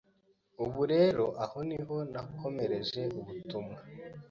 Ubwo rero aho niho nakomereje ubutumwa,